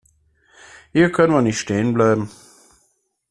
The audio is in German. Hier können wir nicht stehen bleiben.